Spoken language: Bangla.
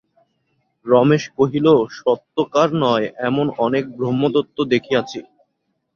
রমেশ কহিল, সত্যকার নয় এমন অনেক ব্রহ্মদৈত্য দেখিয়াছি।